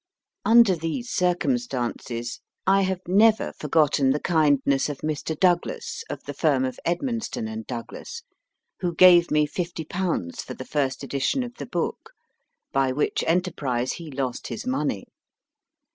Under these circumstances, I have MR. PAYN S OFFICE AT WATERLOO PLACE never forgotten the kindness of Mr. Douglas (of the firm of Edmonston & Douglas), who gave me fifty pounds for the first edition of the book by which enterprise he lost his money.